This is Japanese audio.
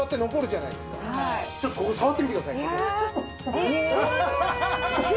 ちょっとここ触ってみてください。